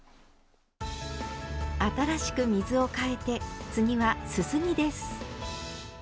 新しく水をかえて次はすすぎです。